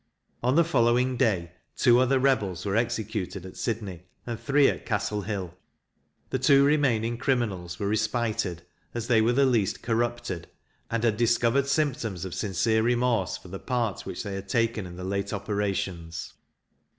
On the following day, two other rebels were executed at Sydney, and three at Castle Hill: the two remaining criminals were respited, as they were the least corrupted, and had discovered symptoms of sincere remorse for the part which they had taken in the late operations.